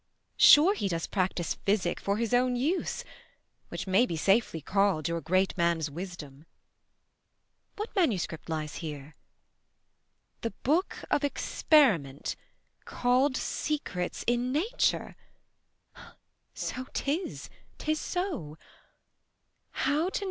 Sure he does practise physic for his own use, Which may be safely call'd your great man's wisdom. What manuscript lies here ? 'The Book of Experiment, Call'd Secrets in Nature' ; so 'tis, 'tis so ; 25 19.